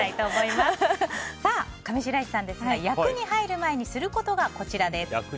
上白石さんですが役に入る前にすることがこちら。